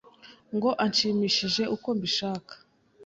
ngo anshimishe uko mbishaka,